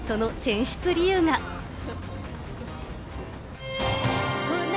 その選出理由が。